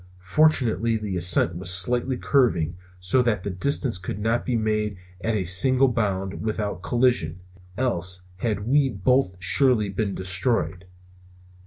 Fortunately the ascent was slightly curving, so that the distance could not be made at a single bound without collision, else had we both surely been destroyed.